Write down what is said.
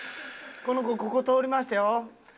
この子ここ通りましたよ。